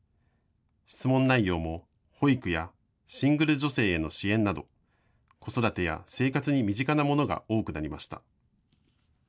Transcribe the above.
質問内容も保育やシングル女性への支援など子育てや生活に身近なものが多くなりました。